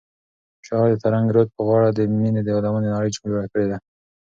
شاعر د ترنګ رود په غاړه د مینې د یادونو نړۍ جوړه کړې ده.